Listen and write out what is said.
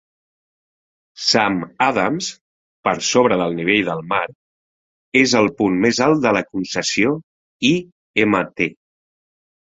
Sam Adams -per sobre del nivell del mar, és el punt més alt de la concessió- i Mt.